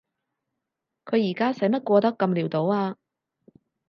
佢而家使乜過得咁潦倒啊？